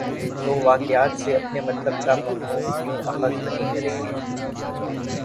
توواقعات سے اپنے مطلب کا مفہوم کیوں اخذ نہیں کریں گے؟